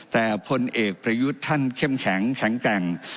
แต่พลเอกประยุทธ์ท่านเข้มแข็งแข็งแกร่ง